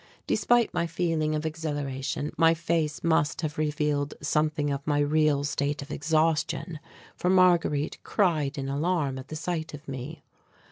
Despite my feeling of exhilaration, my face must have revealed something of my real state of exhaustion, for Marguerite cried in alarm at the sight of me.